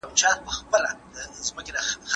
په بازار کي د خیمو بیه څه ډول ټاکل کيده؟